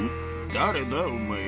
誰だ、お前。